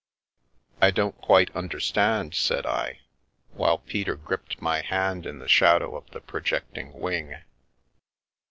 " I don't quite understand," said I, while Peter gripped my hand in the shadow of the projecting wing.